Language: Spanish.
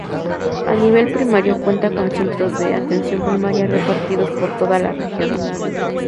A nivel primario cuenta con centros de atención primaria repartidos por toda la región.